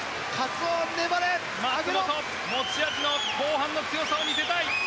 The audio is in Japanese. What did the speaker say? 松元持ち味の後半の強さを見せたい。